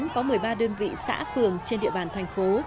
có một mươi ba đơn vị xã phường trên địa bàn thành phố